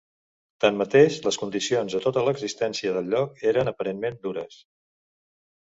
Tanmateix, les condicions a tota l'existència del lloc eren aparentment dures.